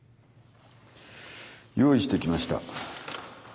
用意してきました。